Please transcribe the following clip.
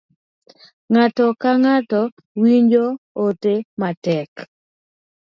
Ng'ato ka ng'ato owinjo oti matek.